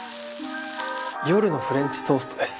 夜のフレンチトーストです。